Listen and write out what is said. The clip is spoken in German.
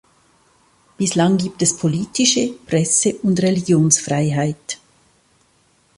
Bislang gibt es politische, Presse- und Religionsfreiheit.